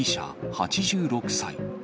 ８６歳。